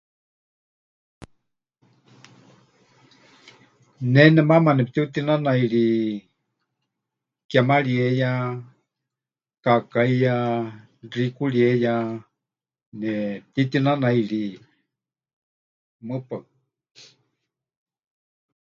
Ne nemaama nepɨtiutinanairi kémarieya, kaakaíya, xikurieya, nepɨtitinanairi, mɨpaɨ.